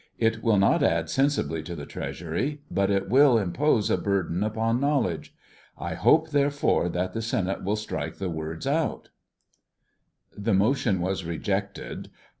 It will not add sensibly to the Treasury, but it will im pose a burden upon knowledge. I hope, therefore, that the Senate will strike the words out. 472 NO TAX ON BOOKS. The motion was rejected.